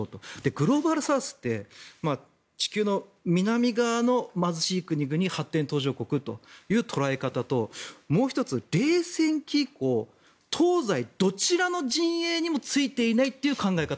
グローバルサウスって地球の南側の貧しい国々、発展途上国という捉え方ともう１つ、冷戦期以降東西どちらの陣営にもついていないという考え方。